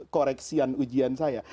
koreksian ujian saya